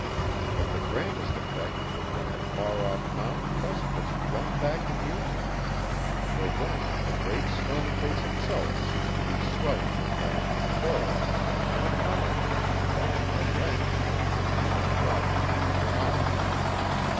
But the grandest effect was when the far off mountain precipice flung back the music; for then the Great Stone Face itself seemed to be swelling the triumphant chorus, in acknowledgment, that, at length, the man of prophecy was come.